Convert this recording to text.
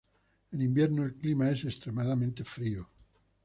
En invierno el clima es extremadamente frío.